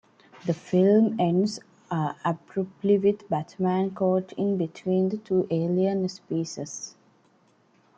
The film ends abruptly with Batman caught in between the two alien species.